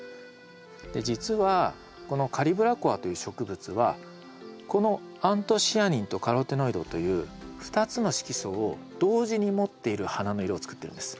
実はこのカリブラコアという植物はこのアントシアニンとカロテノイドという２つの色素を同時に持っている花の色をつくってるんです。